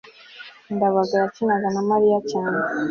ndabaga yakinaga na mariya cyane